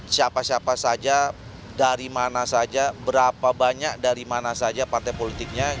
siapa siapa saja dari mana saja berapa banyak dari mana saja partai politiknya